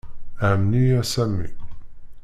Amen-iyi a Sami.